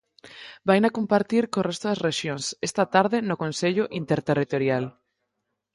Vaina compartir co resto das rexións esta tarde no Consello Interterritorial.